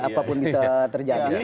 apapun bisa terjadi